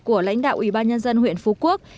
của lãnh đạo ủy ban nhân dân huyện phú quốc